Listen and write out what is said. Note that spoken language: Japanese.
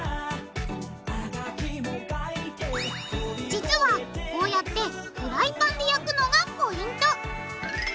実はこうやってフライパンで焼くのがポイント！